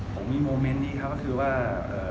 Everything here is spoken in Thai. ผมมีโมเมนต์นี้ครับก็คือว่า